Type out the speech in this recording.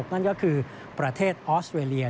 นั่นก็คือประเทศออสเตรเลีย